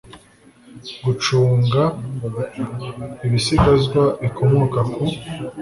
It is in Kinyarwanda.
gucunga ibisigazwa bikomoka ku